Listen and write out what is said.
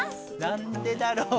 なんでだろう？